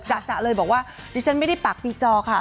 จอเจ้าเลยบอกว่าเดี๋ยวฉันไม่ได้ปรากปีจอค่ะ